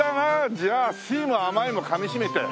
じゃあ酸いも甘いもかみしめて。